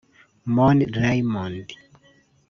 Mon Raymond